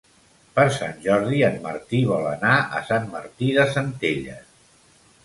Per Sant Jordi en Martí vol anar a Sant Martí de Centelles.